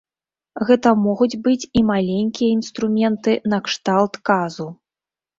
Гэта могуць быць і маленькія інструменты накшталт казу.